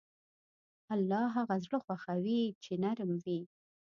الله هغه زړه خوښوي چې نرم وي.